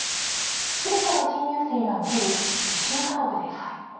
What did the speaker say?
すべての新入生が受ける必修科目です。